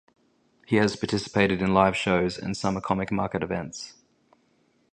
He has participated in live shows and summer comic market events.